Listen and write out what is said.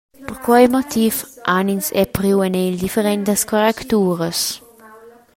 Per quei motiv han ins era priu en egl differentas correcturas.